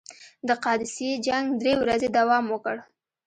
د قادسیې جنګ درې ورځې دوام وکړ.